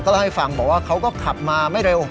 เล่าให้ฟังบอกว่าเขาก็ขับมาไม่เร็ว